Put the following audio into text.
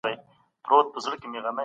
انسان بايد له شخړو ځان وساتي.